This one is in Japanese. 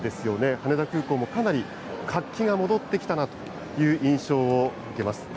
羽田空港もかなり活気が戻ってきたなという印象を受けます。